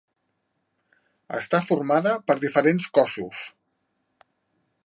Està formada per diferents cossos.